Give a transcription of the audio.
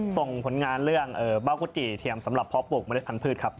ส่งผลงานเรื่องเบ้ากุจิเทียมสำหรับเพาะปลูกเมล็ดพันธุ์ครับ